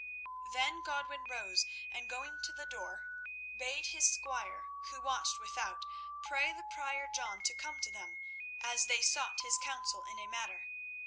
Then Godwin rose, and going to the door, bade his squire, who watched without, pray the Prior John to come to them as they sought his counsel in a matter.